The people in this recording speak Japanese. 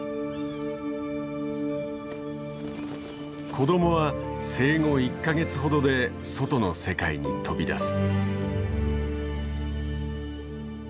子供は生後１か月ほどで外の世界に飛び出す。